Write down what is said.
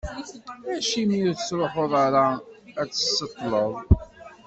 Acimi ur tettruḥuḍ ara ad d-tṣeṭṭleḍ?